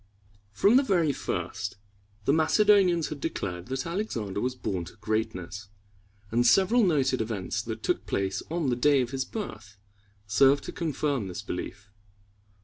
From the very first, the Macedonians had declared that Alexander was born to greatness, and several noted events that took place on the day of his birth served to confirm this belief.